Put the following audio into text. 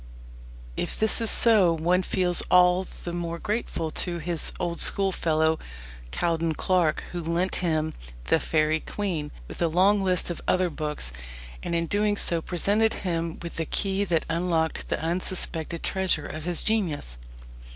If this is so, one feels all the more grateful to his old schoolfellow, Cowden Clarke, who lent him The Faëry Queene, with a long list of other books, and in doing so presented him with the key that unlocked the unsuspected treasure of his genius.